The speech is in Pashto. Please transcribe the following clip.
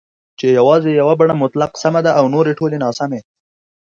چې یوازې یوه بڼه مطلق سمه ده او نورې ټولې ناسمي